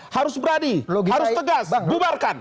harus berani harus tegas bubarkan